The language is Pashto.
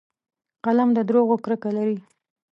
قلم له دروغو کرکه لري